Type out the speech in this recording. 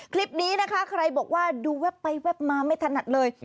คลิปนี้นะคะใครบอกว่าดูแวบไปแวบมาไม่ถนัดเลย